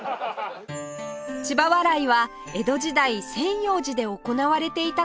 千葉笑いは江戸時代千葉寺で行われていたと伝わる